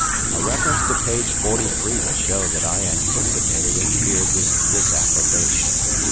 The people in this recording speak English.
A reference to page 43 will show that I anticipated and feared this disapprobation.